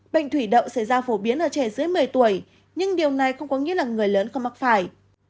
bệnh thủy đậu xảy ra phổ biến ở trẻ dưới một mươi tuổi nhưng điều này không có nghĩa là người lớn không mắc phải